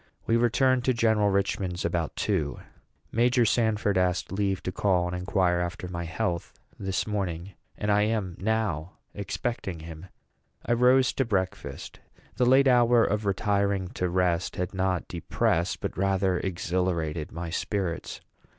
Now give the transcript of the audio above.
We returned to General Richman's about two. Major Sanford asked leave to call and inquire after my health this morning; and I am now expecting him. I rose to breakfast. The late hour of retiring to rest had not depressed, but rather exhilarated, my spirits.